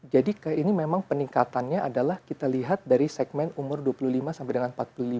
jadi ini memang peningkatannya adalah kita lihat dari segmen umur dua puluh lima sampai dengan empat puluh lima